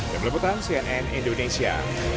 di belumutang cnn indonesia